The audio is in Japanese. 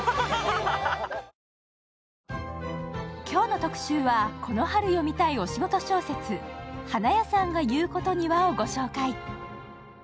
今日の特集はこの春読みたいお仕事小説、「花屋さんが言うことには」をご紹介。